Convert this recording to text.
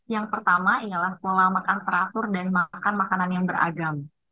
yang pertama ialah pola makan teratur dan makan makanan yang beragam